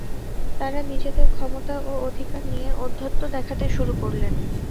তাঁরা নিজেদের ক্ষমতা ও অধিকার নিয়ে ঔদ্ধত্য দেখাতে শুরু করলেন।